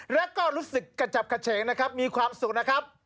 แล้วก็รู้สึกกระจับกระเฉงนะครับมีความสุขนะครับ